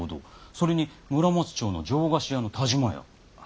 それに村松町の上菓子屋の但馬屋。